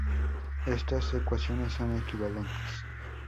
Estas ecuaciones son equivalentes.